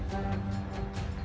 kalawan tanpa tanda